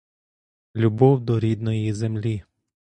Любов до рідної землі.